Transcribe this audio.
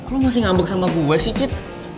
lo masih ngambak sama gue sih cid